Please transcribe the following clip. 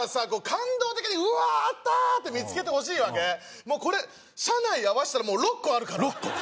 感動的に「うわーあったー！」って見つけてほしいわけ車内合わせたらもう６個あるから６個！